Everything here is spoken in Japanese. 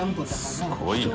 すごいな。